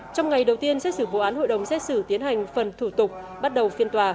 trong ngày đầu tiên xét xử vụ án hội đồng xét xử tiến hành phần thủ tục bắt đầu phiên tòa